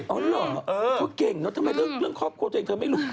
เหรอเขาเก่งเนอะทำไมเรื่องครอบครัวตัวเองเธอไม่รู้